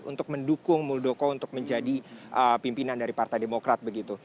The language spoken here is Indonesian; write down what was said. untuk mendukung muldoko untuk menjadi pimpinan dari partai demokrat begitu